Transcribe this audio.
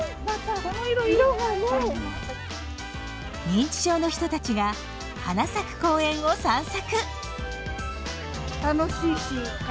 認知症の人たちが花咲く公園を散策。